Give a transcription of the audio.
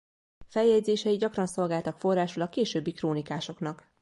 Feljegyzései gyakran szolgáltak forrásul a későbbi krónikásoknak.